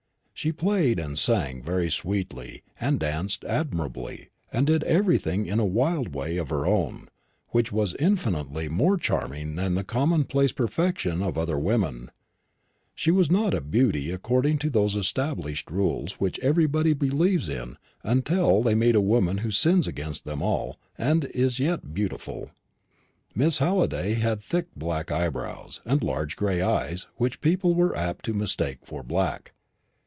She played and sang very sweetly, and danced admirably, and did everything in a wild way of her own, which was infinitely more charming than the commonplace perfection of other women. She was not a beauty according to those established rules which everybody believes in until they meet a woman who sins against them all and yet is beautiful. Miss Halliday had thick black eyebrows, and large gray eyes which people were apt to mistake for black.